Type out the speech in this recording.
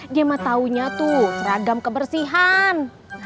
dia mah taunya tuh ragam kebersihan